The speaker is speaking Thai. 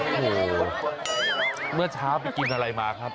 โอ้โหเมื่อเช้าไปกินอะไรมาครับ